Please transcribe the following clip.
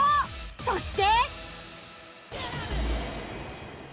そして